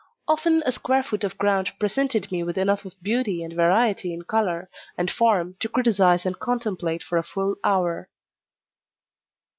Often a square foot of ground presented me with enough of beauty and variety in colour and form to criticise and contemplate for a full hour.